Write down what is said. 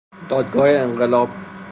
دادگاه انقلاب